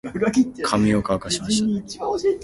髪を乾かしました。